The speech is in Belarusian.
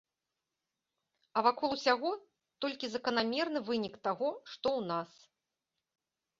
А вакол усяго толькі заканамерны вынік таго, што ў нас.